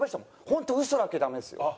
「本当嘘だけダメですよ」。